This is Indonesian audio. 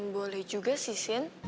boleh juga sih sin